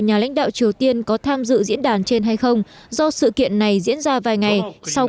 nhà lãnh đạo triều tiên có tham dự diễn đàn trên hay không do sự kiện này diễn ra vài ngày sau